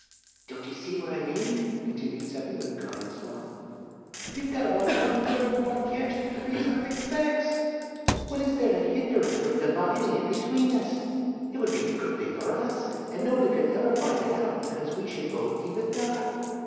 "Don't you see what I mean?" continued Seppi, with a cunning smile. "You've got about one third more cash than Frieshardt expects. What is there to hinder us from dividing it between us? It would be a good thing for us, and nobody could ever find it out, because we should both keep it dark."